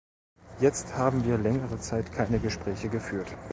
Jetzt haben wir längere Zeit keine Gespräche geführt.